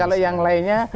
kalau yang lainnya